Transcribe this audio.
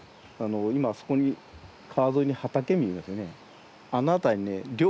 今あそこに川沿いに畑見えますね。